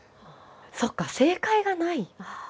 そっか正解がない。